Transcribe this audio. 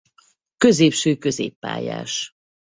Középső középpályás.